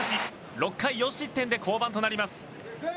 ６回４失点で降板となります。